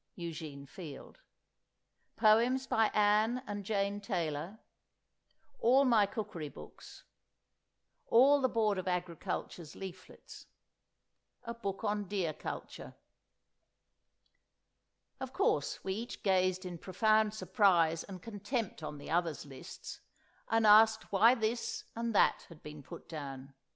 Eugene Field. Poems by Ann and Jane Taylor. All my Cookery Books. All the Board of Agriculture's Leaflets. A Book on Deer Culture. Of course, we each gazed in profound surprise and contempt on the others' lists, and asked why this and that had been put down.